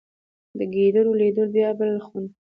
د ګېډړو لیدو بیا بېل خوند وکړ.